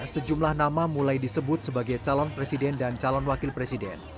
sejumlah nama mulai disebut sebagai calon presiden dan calon wakil presiden